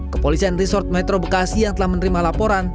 kepolisian resort metro bekasi yang telah menerima laporan